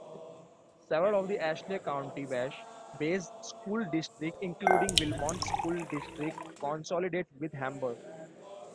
Several of the Ashley County-based school districts including Wilmot's school district consolidated with Hamburg.